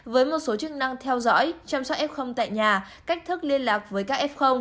với một số chức năng theo dõi chăm sóc f tại nhà cách thức liên lạc với các f